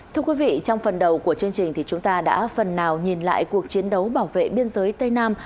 thưa quý vị trong phần đầu của chương trình thì chúng ta đã phần nào nhìn lại cuộc chiến đấu bảo vệ biên giới tây nam